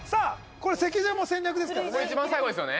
これ席順も戦略ですからね